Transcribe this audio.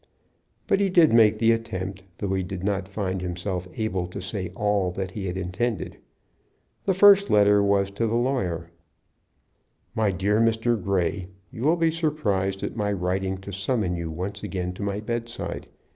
But he did make the attempt, though he did not find himself able to say all that he had intended. The first letter was to the lawyer: "My dear Mr. Grey, You will be surprised at my writing to summon you once again to my bedside.